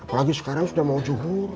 apalagi sekarang sudah mau juhur